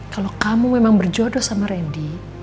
kalau kamu memang berjodoh sama randy